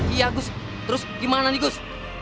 iya gus terus gimana nih gus